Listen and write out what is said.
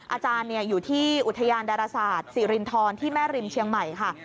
อาจารย์อยู่ที่อุทยานดาราศาสตร์ศิรินทรที่แม่ริมเชียงใหม่ค่ะ